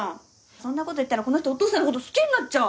そんなこと言ったらこの人お父さんのこと好きになっちゃう。